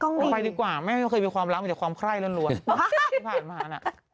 โอเคปิดแบรนด์อีกแล้วค่ะคุณขา